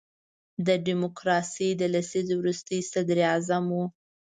د ډیموکراسۍ د لسیزې وروستی صدر اعظم وو.